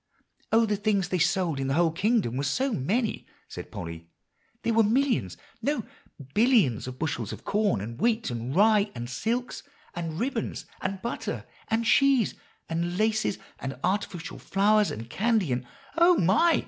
"Oh! the things they sold in the whole kingdom were so many," said Polly; "there were millions no, billions of bushels of corn, and wheat and rye and silks and ribbons and butter and cheese, and laces and artificial flowers and candy, and" "Oh, my!"